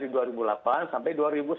dari dua ribu delapan sampai dua ribu sebelas